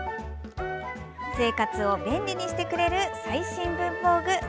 生活を便利にしてくれる最新文房具。